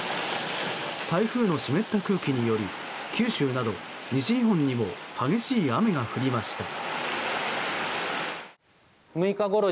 台風の湿った空気により九州など西日本にも激しい雨が降りました。